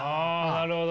なるほど。